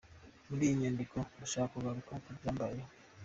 Muri iyi nyandiko ndashaka kugaruka ku byambayeho.